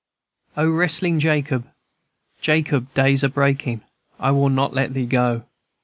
"O wrestlin' Jacob, Jacob, day's a breakin'; I will not let thee go!